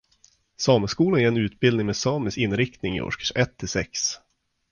Sameskolan ger en utbildning med samisk inriktning i årskurs ett till sex.